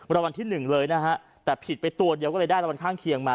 รางวัลที่หนึ่งเลยนะฮะแต่ผิดไปตัวเดียวก็เลยได้รางวัลข้างเคียงมา